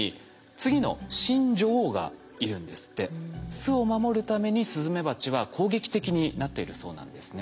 巣を守るためにスズメバチは攻撃的になっているそうなんですね。